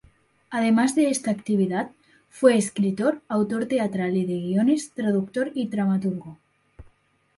Además de esta actividad, fue escritor, autor teatral y de guiones, traductor y dramaturgo.